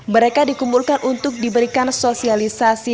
mereka dikumpulkan untuk diberikan sosialisasi